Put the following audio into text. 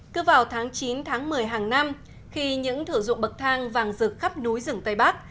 cứ vào tháng chín tháng một mươi hàng năm khi những thử dụng bậc thang vàng rực khắp núi rừng tây bắc